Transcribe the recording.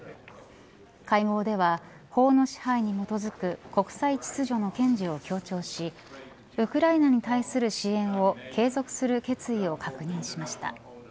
会合では法の支配に基づく国際秩序の堅持を強調しウクライナに対する支援を継続する決意を確認しました。